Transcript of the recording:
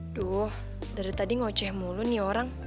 aduh dari tadi ngoceh mulut nih orang